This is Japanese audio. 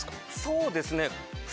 そうですね